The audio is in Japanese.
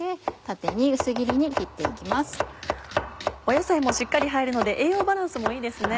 野菜もしっかり入るので栄養バランスもいいですね。